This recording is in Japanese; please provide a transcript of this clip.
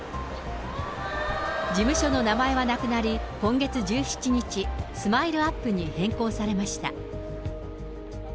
事務所の名前はなくなり、今月１７日、ＳＭＩＬＥーＵＰ．に変更されました。